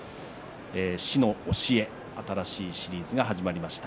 「師の教え」新しいシリーズが始まりました。